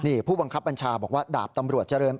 นี่ผู้บังคับบัญชาบอกว่าดาบตำรวจเจริญ